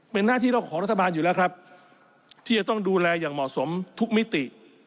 เป็นหน้าที่ของรัฐบาลอยู่แล้วครับที่จะต้องดูแลอย่างเหมาะสมทุกมิติ